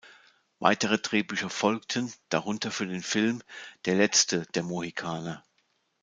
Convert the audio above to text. Weitere Drehbücher folgten, darunter für den Film "Der Letzte der Mohikaner".